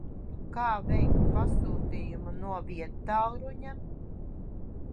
Kā veikt pasūtījumu no viedtālruņa?